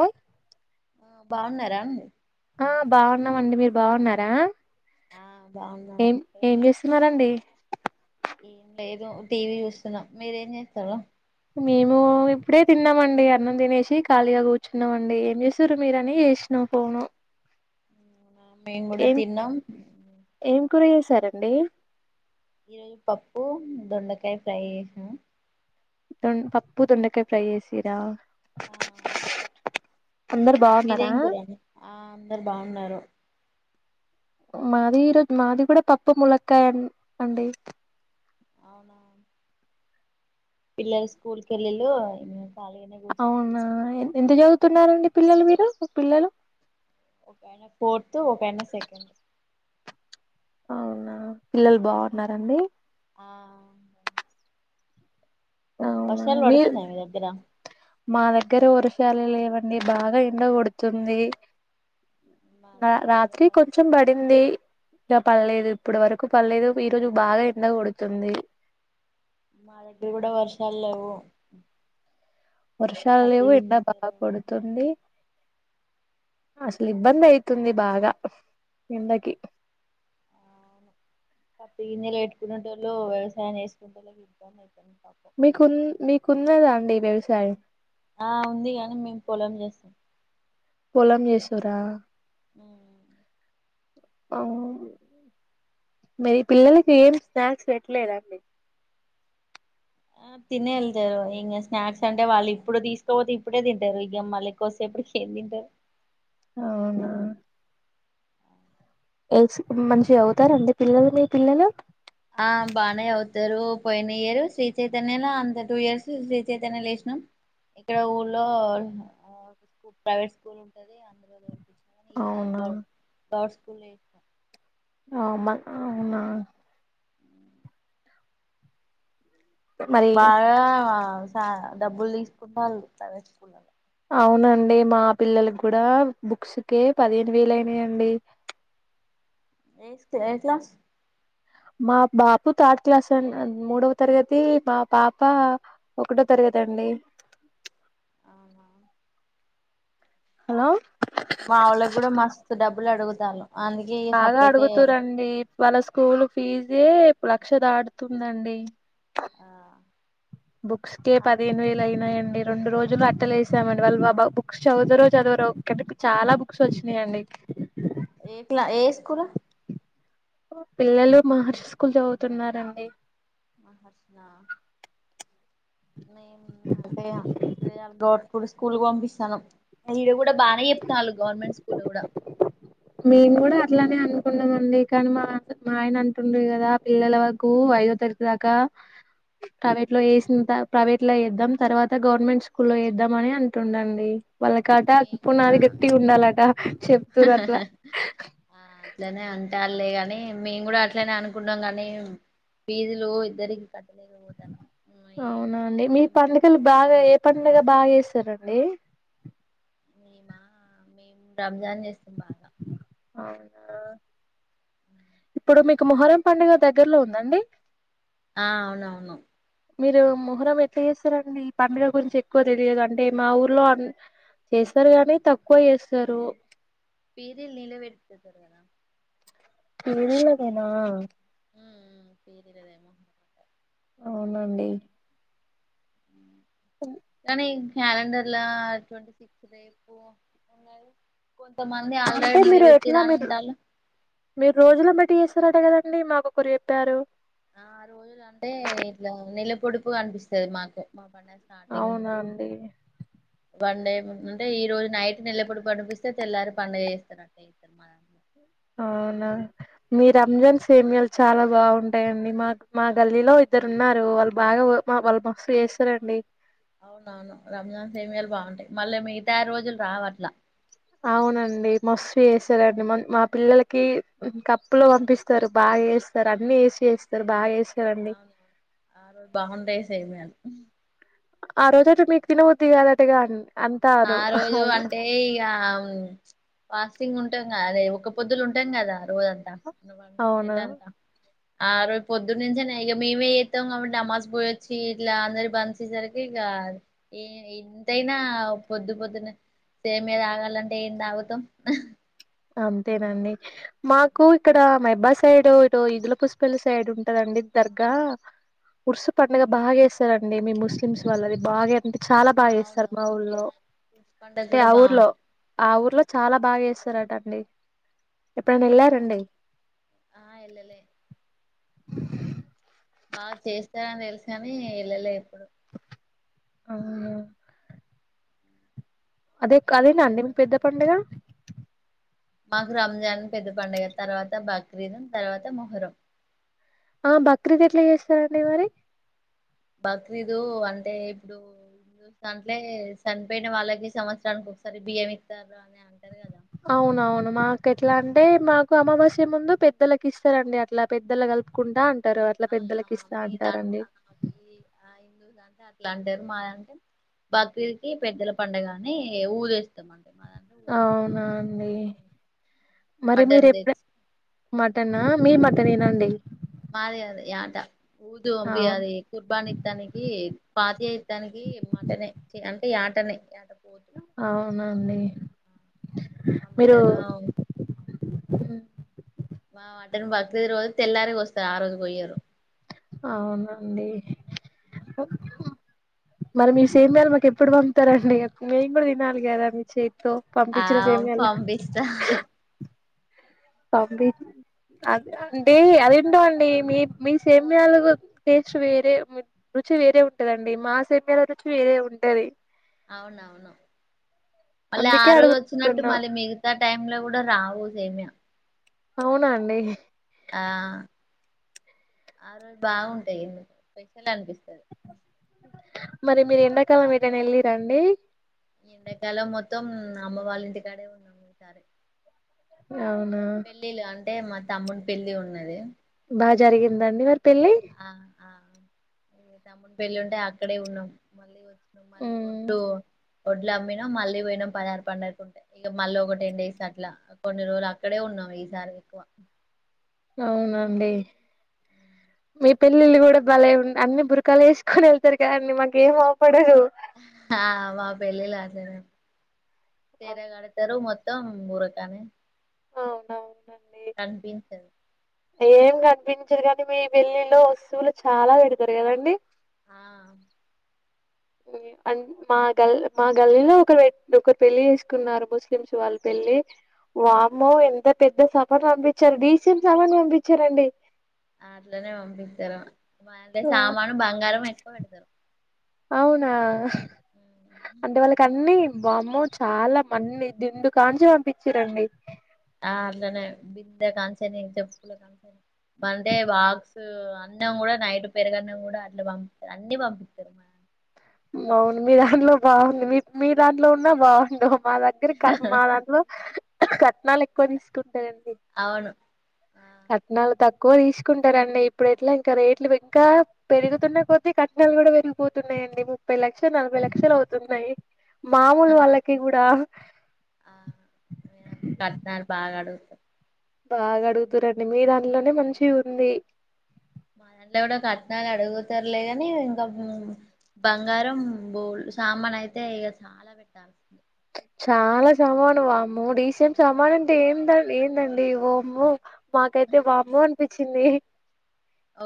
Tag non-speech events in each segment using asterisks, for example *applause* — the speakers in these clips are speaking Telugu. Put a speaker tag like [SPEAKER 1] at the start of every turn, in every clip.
[SPEAKER 1] ఆ
[SPEAKER 2] బాగున్నారా
[SPEAKER 1] ఆ బాగున్నామండి మీరు బాగున్నారా
[SPEAKER 2] ఆ బాగున్నాం
[SPEAKER 1] ఏం ఏం
[SPEAKER 2] చేస్
[SPEAKER 1] చేస్తున్నారండి
[SPEAKER 2] ఏం లేదు టీవీ చూస్తున్న మీరేం చేస్తరు
[SPEAKER 1] మేము ఇప్పుడే తిన్నామండి అన్నం తినేసి ఖాళీగా కూర్చున్నాంమండి ఏం చేసురు మీరని చేసిన పోను
[SPEAKER 2] మేం కూడ తిన్నాం
[SPEAKER 1] సరేండి
[SPEAKER 2] ఈరోజు పప్పు దొండకాయ ఫ్రై చేసిన
[SPEAKER 1] పప్పు తొండకయ్ ఫ్రై చేసిరా అందరు బాగున్నారా
[SPEAKER 2] మీదెం కూర ఆ అందరు బాగున్నారు
[SPEAKER 1] మాది ఈరోజు మాది కూడ పప్పు ముళక్కయ అండి
[SPEAKER 2] అవునా పిల్లలు స్కూల్కి వెళ్లిళ్ళు
[SPEAKER 1] అవునా ఎంత చదువుతున్నారండి పిల్లలు మీరు పిల్లలు
[SPEAKER 2] ఒకయనా ఫోర్త్ ఒకయనా సెకండ్
[SPEAKER 1] అవునా పిల్లలు బాగున్నారండి
[SPEAKER 2] ఆ
[SPEAKER 1] అవునా
[SPEAKER 2] వర్షాలు
[SPEAKER 1] మీరు
[SPEAKER 2] పడుతున్నాయ మీ దగ్గర
[SPEAKER 1] మా దగ్గర వర్షాలు లేవండి బాగ ఎండ కొడుతుంది
[SPEAKER 2] మా దగ్గర కూడా
[SPEAKER 1] రాత్రి కొంచెం పడింది ఇక పర్లేదు ఇప్పడు వరకు పర్లేదు ఈ రోజు బాగ ఎండ కొడుతుంది
[SPEAKER 2] మా దగ్గర కూడ వర్షాలు లేవు
[SPEAKER 1] వర్షాలు
[SPEAKER 2] పత్తి
[SPEAKER 1] లేవు ఎండ బాగ
[SPEAKER 2] గింజలు
[SPEAKER 1] కోడుతుంది అసలు ఇబ్బంది ఐతుంది బాగ ఎండ కి
[SPEAKER 2] అవును *unintelligible* పెట్టుకునేటోళ్ళు వ్యవసాయం చేసుకుంట వాళ్కి ఇబ్బంది అయితుంది పాపం
[SPEAKER 1] మీకు మీకున్నదా అండి వ్యవసాయం
[SPEAKER 2] ఆ ఉంది గాని మేము పొలం *unintelligible*
[SPEAKER 1] పొలం చేసుర్ర
[SPEAKER 2] ఉ
[SPEAKER 1] అవ్. మరి పిల్లలకి ఏం స్నాక్స్ పెట్లేదండి.
[SPEAKER 2] ఆహ్ తినే వెళ్తారు ఇంకా స్నాక్స్ అంటే వాళ్ళు ఇప్పుడు తీసుకపోతే ఇప్పుడే తింటారు ఇక మళ్ళీ కోసేపు. ఏం తింటారు.
[SPEAKER 1] అవునా. మంచిగా చదువుతారా అండి పిల్లలు మీ పిల్లలు.
[SPEAKER 2] ఆహ్ బానే చదువుతారు పోయిన ఇయరు శ్రీచైతన్య అంత టూ ఇయర్స్ శ్రీచైతన్యల ఎసీ ఇక్కడ ఊళ్లో ప్రైవేట్ స్కూల్ ఉంటది అందు ఈ సారి
[SPEAKER 1] అవునా
[SPEAKER 2] డౌట్ *unintelligible* స్కూళ్లో వేసిన.
[SPEAKER 1] ఆమ అవునా. మరి
[SPEAKER 2] బాగా డబ్బులు తీసుకుంటారు వాళ్లు ప్రైవేట్ స్కూల్లో.
[SPEAKER 1] అవునండి మా పిల్లలకి కూడా బుక్స్ కి పదిహేను వేలు అయినాయండి.
[SPEAKER 2] A A class.
[SPEAKER 1] మా బాపు థర్డ్ క్లాస్ అం అది మూడవ తరగతి మా పాప ఒకటో తరగతి. అండి.
[SPEAKER 2] అవునా.
[SPEAKER 1] హలో.
[SPEAKER 2] మా వాళ్ళకి కూడా మస్తు డబ్బులు అడుగుతాండ్రు.
[SPEAKER 1] బాగా అడుగుతుంరండి వాళ్ళ స్కూల్ ఫీజు. ఇదే లక్ష దాటుతుందండి. బుక్స్కే
[SPEAKER 2] ఆ
[SPEAKER 1] పదిహేను వేలు అయినయండి. ఈ రెండు రోజులు అట్టలేేసామండి వాళ్ళుబా బుక్స్ చదువుతరో చదువరో ఒకటి చాలా బుక్స్ వచ్చినాయండి.
[SPEAKER 2] ఎట్లా ఏ స్కూలా.
[SPEAKER 1] పిల్లలు మహర్షి స్కూల్ చదువుతున్నారండి.
[SPEAKER 2] మహర్షినా. ఇప్పుడు స్కూల్ కు పంపిస్తున్నాం ఇడ కూడా బాగానే చెప్తున్నాలు గవర్నమెంట్ స్కూల్ కూడా.
[SPEAKER 1] మేము కూడా అట్లానే అనుకున్నాం అండి కానీ మా మా ఆయన అంటుండు కదా పిల్లలకు అయితది ఇప్పటిదాకా. ప్రైవేట్ లో వేసిన్ తర్వాత ప్రైవేట్ లో వేద్దాం తర్వాత గవర్నమెంట్ స్కూల్ లో వేద్దాంమని అంటుండండి. వాళ్ళకాట
[SPEAKER 2] మేము కూడా
[SPEAKER 1] పునాది గట్టిగా ఉండాలట చెప్తూంరు అట్లా.
[SPEAKER 2] అట్లానే అంటర్లేగాని మేము కూడా అట్లనే అనుకున్నాం గాని. ఫీజులు ఇద్దరికం.
[SPEAKER 1] అవునా అండి మీ
[SPEAKER 2] ఏం పని
[SPEAKER 1] పనులకెళ్లి బాగా ఏ పని బాగా చేస్త. సరేనండి.
[SPEAKER 2] మేమా మేము రంజాన్ చేస్తాం బాగా.
[SPEAKER 1] అవునా ఇప్పుడు మీకు. ఇక మొహరం పండుగ దగ్గరలో ఉందండి.
[SPEAKER 2] ఆహ్ అవునవును.
[SPEAKER 1] మీరు మొహరం ఎట్లా చేస్తారండి ఈ పండుగ గురించి ఎక్కువ తెలియదు అండి మా ఊర్లో అంద. చేస్తారు గానీ తక్కువ చేస్తారు.
[SPEAKER 2] పీరిల్ నిలబడతారు కదా.
[SPEAKER 1] వీళ్ళదేనా.
[SPEAKER 2] ఉమ్ పీర్లదేమో.
[SPEAKER 1] అవునండి.
[SPEAKER 2] అనీ క్యాలండర్లా ట్వంటీ సిక్స్ రేపు ఉన్నది కొంతమంది ఆల్రడ
[SPEAKER 1] అంటే మీరు ఎట్లా మీరు
[SPEAKER 2] నిలబెట్టిరానంటాల
[SPEAKER 1] సర అటే కదండి మా ఒకొక్కరు చెప్పారు
[SPEAKER 2] ఆ రోజులు అంటే ఇట్లా నిలపొడుపు కనిపిస్తుది మాకు మా పండగ
[SPEAKER 1] అవునా అండి
[SPEAKER 2] పండే అంటే ఈ రోజు నైట్ నిల్లప్పుడు పనిపిస్తే తెల్లారి పండగ చేస్తారుట్టే ఇ మన
[SPEAKER 1] అవునా మీ రంజాన్ సేమయాలు చాలా బాగుంటాయండి మాకు మా
[SPEAKER 2] ఆ
[SPEAKER 1] గల్లీలో ఇద్దరు ఉన్నారు వాళ్ళు బాగా వాళ్ళు మస్తు చేస్తారండి
[SPEAKER 2] అవునవును రంజాన్ సేమియాలు బాగుంటాయి మళ్ళీ మిగతా రోజులు రావట్ల
[SPEAKER 1] అవునండి మస చెస్సారండి మా పిల్లలకి కప్పులు పంపిస్తారు బాగా చేస్తారు అన్ని వేసి చేస్తారు బాగా వేస్తారు
[SPEAKER 2] అవునువు ఆ రోజు బాగుంటాయి సేమియాలు
[SPEAKER 1] ఆ రోజ అంటటు మీకు తినవద్దిగాదటుగాండి
[SPEAKER 2] ఆ రోజు అంటే ఇక వా సింగ్ ఉంటాం క అదే ఒక పొద్దులు ఉంటాం కదా రోజంతా
[SPEAKER 1] అవును
[SPEAKER 2] నెలంతా ఆ రోపు పొద్దున్న నుంచేనే ఇక మేమే చేస్తాం కాబట్టి అమ్మాజ్ పోయొచ్చి ఇట్లా అందరి బందేసరికి ఇక ఏ ఎంతైనా పొద్దు పొద్దున సేమియా తాగాలంటే ఏం తాగుతాం
[SPEAKER 1] అంతేనండి మాకు ఇక్కడ మైబా సైడ్ ఇటు ఈదుల పుష్పల్లి సైడ్ ఉంటదండి ద్దరగా ఉరుసు పండగ బాగా చేస్తారండి మీ ముస్లిమ్స్ వాళ్ళది బాగా అంటే చాలా
[SPEAKER 2] ఆ
[SPEAKER 1] బాగా చేస్తారు మా
[SPEAKER 2] అవునవును
[SPEAKER 1] ఊళ్
[SPEAKER 2] ఆ పండగ
[SPEAKER 1] అంటే
[SPEAKER 2] కూడా
[SPEAKER 1] ఆ ఊర్లో
[SPEAKER 2] బాగుంటది
[SPEAKER 1] ఆ ఊర్లో చాలా బాగా వస్త టాండి ఎప్పుడైన
[SPEAKER 2] ఆ
[SPEAKER 1] ఎల్లారా అండి
[SPEAKER 2] ఆ వెళ్ళలే బాగా చేస్తారని తెలుసు కాని వెళ్ళలే ఎప్పుడు
[SPEAKER 1] ఆహ అదే అదేనా అండి మీకు పెద్ద పండుగ
[SPEAKER 2] మాకు రంజాన్ పెద్ద పండుగ తర్వాత బక్రీద్ తర్వాత మొహరం
[SPEAKER 1] ఆ బక్రీద్ ఎట్లా చేస్తారండి మరి
[SPEAKER 2] బక్రీదు అంటే ఇప్పుడు చూ అంట్లే చనిపోయిన వాళ్ళకి సంవత్సరానికి ఒకసారి బియ్యం ఇస్తారు అని అంటారు కదా
[SPEAKER 1] అవునవును మాక ఎట్లా అంటే మాకు అమావాస్య ముందు పెద్దలకి ఇస్తారండి అట్లా పెద్దలు కలుపుకుంటా అ
[SPEAKER 2] మీ ద హిందూ ద అంటే ఇట్లా అంటారు మాది అంటే బక్రీకి పెద్దల పడుగని ఊదేస్తామంట
[SPEAKER 1] అవునా అండి మరి మీరు
[SPEAKER 2] మటన్
[SPEAKER 1] ఎప్పుడ
[SPEAKER 2] తెచ్చి
[SPEAKER 1] మటన్నా మీ మటన్ ఏనా అండి
[SPEAKER 2] మాది కాదు యాటా ఊదు అబి
[SPEAKER 1] అవును
[SPEAKER 2] అది కుర్బాన్ ఇత్తానికి పాతయ ఇత్తానికి మటన్ అంటే నే అ
[SPEAKER 1] అవునండి
[SPEAKER 2] మా మట్టన్
[SPEAKER 1] ఆ
[SPEAKER 2] మా మటన్ బక్రీద్ రోజు తెల్లారికి కోస్తారు ఆ రోజు కోయ్యారు
[SPEAKER 1] అవున అండి మరి మీ సేమ్యాలు మాకెప్పుడు పంప్తారండి నేను గుడా దినాలి గదా మీ చేత్తో
[SPEAKER 2] ఆ
[SPEAKER 1] పంపిచిన సేమ్యాలు
[SPEAKER 2] పంపిస్తా
[SPEAKER 1] పంవిద్
[SPEAKER 2] ఆ
[SPEAKER 1] అంటే అదేంటో అండి మీ మీ సేమ్యాలు టేస్ట్ వేరే వేరే ఉంటదండి మా సేమ్యాల రుచి వేరే ఉంటది
[SPEAKER 2] అవునవును మళ్ళీ ఆ
[SPEAKER 1] అందుకే
[SPEAKER 2] రోజొచ్చినట్టు
[SPEAKER 1] అడుగుతున్నా
[SPEAKER 2] మళ్ళీ మిగతా టైమ్ లో గుడ రావు సేమ్యా
[SPEAKER 1] అవునండి
[SPEAKER 2] ఆ ఆ రోజు బాగుంటాయి స్పెషల్ అనిపిస్త్
[SPEAKER 1] మరి మీరు ఎండాకాలం ఎటైన ఎళ్ళిరా అండి
[SPEAKER 2] ఎండాకాలం మొత్తం అమ్మ వాళ్ళింటికాడే ఉన్నాం ఈ సారి
[SPEAKER 1] అవునా
[SPEAKER 2] టే మా తమ్ముని పెళ్లి ఉన్నది
[SPEAKER 1] బా జరిగిందా అండి మరి పెళ్లె
[SPEAKER 2] ఆ ఆ తమ్ముడి పెళ్లి ఉంటే అక్కడే ఉన్నం మళ్ళీ వచ్చు మళ్ళీ
[SPEAKER 1] హ్మ్
[SPEAKER 2] వొడ్లమ్మినం మళ్ళీ బొయినం పనార పండుగకుంటే ఇగ మళ్ళీ ఒక టెన్ డేస్ అట్లా కొన్ని రోలు అక్కడే ఉన్ ఉన్నం ఈ సారెక్కువ
[SPEAKER 1] *inaudible* అవునండి మీ పెళ్ళిళ్ళు గుడ బలే ఉన్ అన్ని బుర్కాలే ఏసుకొని వెళ్తారు కదండి మాకేం అవ్పడ్
[SPEAKER 2] ఆ మా పెల్లిలాజే తెర గడతరు మొత్తం బురకానే
[SPEAKER 1] అవునవున
[SPEAKER 2] కన్పించదు
[SPEAKER 1] ఏం గనిపించదు గానీ మీ వెల్లిలో వస్తువులు చాలా పెడతరు గదండీ
[SPEAKER 2] ఆ
[SPEAKER 1] మా గల్ మా గలిల్లో ఒక వ్య ఒకరు పెళ్లి చేసుకున్నారు ముస్లిమ్స్ వాళ్ళు వామ్మో ఎంత పెద్ద సభను పంపిచారు డీసెంట్ సభను పంపిచారండి
[SPEAKER 2] అట్లనే పంపిస్తరు బాగే సామాను బంగారం ఎక్కువ బెడతరు
[SPEAKER 1] అవునా అంటే వాళ్ళకన్నీ వామ్మో చాలా మన్ని దిండు కాంచి పంపిచిరండి
[SPEAKER 2] ఆ అట్లనే బిందె కాంచని చెప్పుల కాంచని బంటే బాక్స్ అ అన్నం గుడా నైట్ పెరుగన్నం గుడ అట్ల పంపిస్తా అన్ని పంపిస్తారు
[SPEAKER 1] అవును మీ దాంట్లో బాగుంది మీ మీ దాంట్లో ఉన్నా బావుండు మా దగ్గరి క మా దాంట్లో కట్నాలెక్కువ తీసుకుంటాయం
[SPEAKER 2] అవును ఆ
[SPEAKER 1] కట్నాలు తక్ తీసుకుంటరండి ఇప్పుడెట్ల ఇంక రేట్లు ఇంకా పెరుగుతున్నా కొద్ది కట్నాలు కూడా పెరిగిపోతున్నయండి లక్ష నలభై లక్షలు అవుతున్నయి మామూలు వాళ్ళకి గుడా
[SPEAKER 2] ఆ మీరంతా కట్నాల్ బాగా అడుగుతా
[SPEAKER 1] బాగ అడుగుతురండి మీ దాంట్లోనే మంచి ఉంది
[SPEAKER 2] మా దాంట్లో గుడా కట్నాలు అడుగుతరులేగాని ఇంక బంగారం బోల్ సామాన్ అయితే ఇగ చాలా పెట్టాల
[SPEAKER 1] చాలా సామాను వామ్మో డీసెంట్ సామానంటే ఏందం ఏందండి ఓమ్మో మాకైతే వామ్మో అనిపిచింది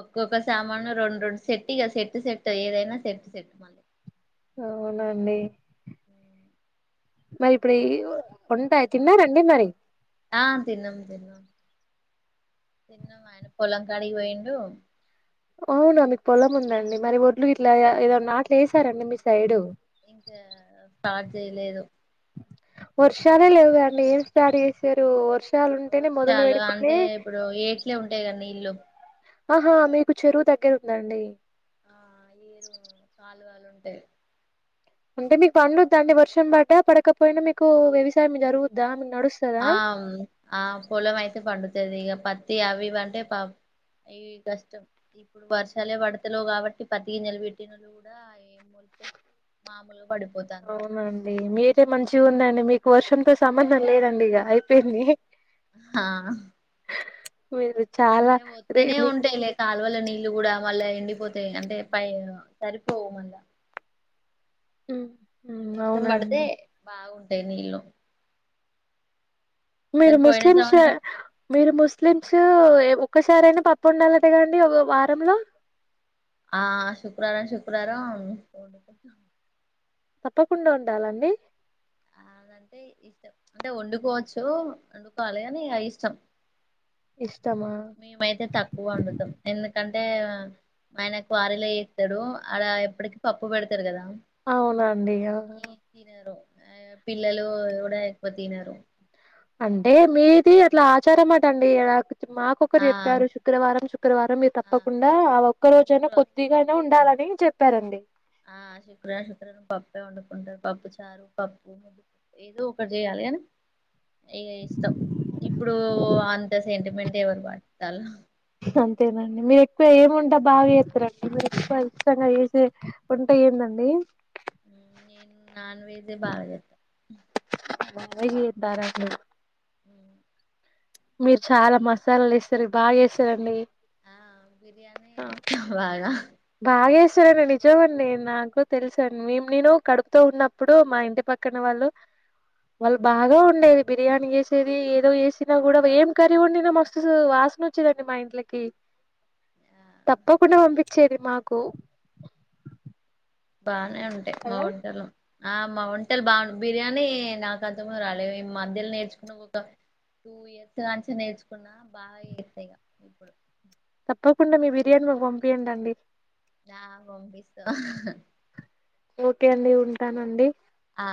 [SPEAKER 2] ఒక్కొక్క సామాను రెండు రెండు సెట్టు ఇగ సెట్టు సెట్టు ఏదైనా సెట్ సెట్ మ
[SPEAKER 1] అవునండి మరి ఇప్పుడు ఈ ఒ ఒంట తిన్నారా అండి మరి
[SPEAKER 2] ఆ తిన్నం తిన్నం తిన్న మా ఆయన పొలం కాడి వొయిండూ
[SPEAKER 1] అవునా మీకు పొలం ఉందండి మరి ఒడ్లు ఇట్లా ఏద నాట్లు ఏసారా అండి మీ సైడు
[SPEAKER 2] ఇంకా స్టార్ట్ జేయలేదు
[SPEAKER 1] వర్షాలే లేవుగా అండి ఏం స్టార్ట్ ఏసిరు వర్ష్
[SPEAKER 2] వర్షాలు అంటే ఇప్పుడు ఏట్లే ఉంటాయి గద నీళ్ళు
[SPEAKER 1] అహా మీకు చెరువు దగ్గర ఉంద అండి
[SPEAKER 2] ఆ ఏరు కాలు గాలు ఉంటయ్
[SPEAKER 1] అంటే మీకు పండుద్దా అండి వర్షం బడ్డా పడకపోయినా మీకు వ్యవసాయం జరుగుద్దామిన్
[SPEAKER 2] ఆమ్ ఆ పొలం అయితే పండుతది ఇగ పత్తి అవివి అంటే పా ఇయి కష్టం ఇప్పుడు వర్షాలే వడతలేవ్ కావట్టి ప్రతీ నెల వెట్టినోల్ గూడా ఏం మామూలు
[SPEAKER 1] అవునా అండి మీరే మంచిగుందండి మీకు వర్షంతో సంబంధం లేదండి ఇగ అయిపోయింది
[SPEAKER 2] ఆహ్
[SPEAKER 1] మీరు చాలా రే
[SPEAKER 2] వత్తనే
[SPEAKER 1] మీ
[SPEAKER 2] ఉంటాయిలే కాలువల నీ ఇల్లు గూడా మళ్ళా ఎండిపోతే అంటే పైన సరిపోవు మళ్ళా
[SPEAKER 1] ఉ
[SPEAKER 2] వర్షం బడితే బాగుంటయ్ నీళ్ళు
[SPEAKER 1] మీరు
[SPEAKER 2] అసలు పోయిన
[SPEAKER 1] ముస్లిమ్సే
[SPEAKER 2] సంవత్సరం
[SPEAKER 1] మీరు ముస్లిమ్స్ ఎ ఒక్కసారైనా పప్పు ఒండాలట గదండి వ వారంలో
[SPEAKER 2] ఆ శుక్రారం శుక్రారం
[SPEAKER 1] తప్పకుండా ఒండాలా అండి
[SPEAKER 2] అంటే ఇష్టం అంటే ఒండుకోవచ్చు ఒండుకోవాలే అని ఇగ ఇష్టం
[SPEAKER 1] ఇష్టమా
[SPEAKER 2] మేమైతే తక్కువ అండుతం ఎందుకన్ అంటే ఆయన క్వారీలో ఏత్తడూ అలా ఎప్పడికి పప్పు బెడతరు గదా
[SPEAKER 1] అవునండి ఇగ
[SPEAKER 2] ఆ పిల్లలు గూడా ఎక్కువ తినరు
[SPEAKER 1] అంటే మీదీ
[SPEAKER 2] ఎప్-
[SPEAKER 1] అట్ల ఆచారం అటండి గదా మాక్ ఒకరు
[SPEAKER 2] ఆ
[SPEAKER 1] చెప్పారు శుక్రవారం శుక్రవారం మీరు
[SPEAKER 2] ఆ
[SPEAKER 1] తప్పకుండా ఆ ఒక్క
[SPEAKER 2] శుక్ర
[SPEAKER 1] రోజైనా కొద్దిగైనా ఉన్ డాలని చెప్పారండి
[SPEAKER 2] ఆ శుక్రార్ శుక్రారం పప్పే వండుకుంటరు పప్పు చారు, పప్పు, ఏదో ఒకటి జేయాల. ఎన్ ఇగ ఇస్టం ఇప్పుడు అంత సెంటిమెంట్ ఎవరు పాటిత్తాల్ల
[SPEAKER 1] అంతేనండి మీరు ఎక్కువ ఏం వంట బాగా జేత్తరండి మీరు ఎక్కువ ఇష్టంగా ఏసే ఒంట ఏందండి. డి
[SPEAKER 2] నేన్ నాన్ వెజే బాగ *inaudible*
[SPEAKER 1] *unintelligible* జేత్తారండి
[SPEAKER 2] ఉ
[SPEAKER 1] మీరు చాలా మసాలాలు ఏస్తరు బా జేస్సరండి
[SPEAKER 2] ఆ బిర్యానీ ఏత్త బాగా
[SPEAKER 1] బాగా చేస్తానండి నిజమ అండి నాకు తెలుసండి మేము నేను కడుపుతో ఉన్నప్పుడు మా ఇంటి పక్క క్కన వాలు వాళ్ళు బాగా వండేది బిర్యానీ చేసేది ఏదో చేసినా కూడా ఏం కర్రీ వండిన మస్తు వాస వాసన వచ్చేదండి మా ఇంట్లకి
[SPEAKER 2] ఆ
[SPEAKER 1] తప్పకుండా పంపి ఇచ్చేది మాకు
[SPEAKER 2] బానే ఉంటాయి మా
[SPEAKER 1] కదా!
[SPEAKER 2] వంటలు ఆ మా వంటలు బాగుం బిర్యానీ నాకు అంతము రాలే నె మధ్యలో నేర్చుకున్న ఓ టూ ఇయర్స్ కాంచి నేర్చుకున్నా బాగా చేతా ఇగ ఇప్పుడు
[SPEAKER 1] తప్పకుండా మీ బిర్యానీ మాకు పంపియండి అండి
[SPEAKER 2] ఆ పంపిస్తా
[SPEAKER 1] ఓకే అండి ఉంటానండి
[SPEAKER 2] ఆ